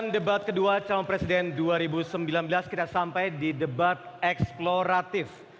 jelas kita sampai di debat eksploratif